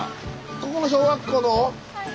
ここの小学校？